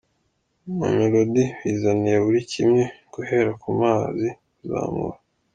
Mamelodi bizaniye buri kimwe guhera ku mazi kuzamura.